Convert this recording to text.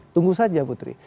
tunggu saja putri